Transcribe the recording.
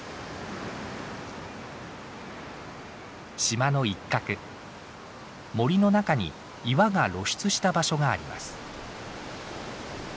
島の一角森の中に岩が露出した場所があります。